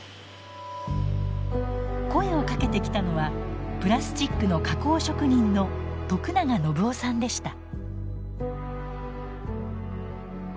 声をかけてきたのはプラスチックの加工職人の徳永暢男さんでした。